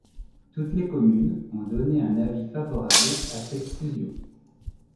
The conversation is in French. Toutes les communes ont donné un avis favorable à cette fusion.